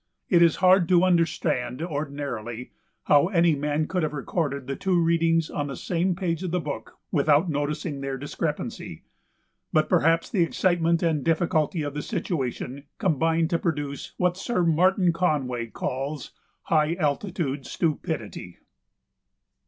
It is hard to understand, ordinarily, how any man could have recorded the two readings on the same page of the book without noticing their discrepancy, but perhaps the excitement and difficulty of the situation combined to produce what Sir Martin Conway calls "high altitude stupidity."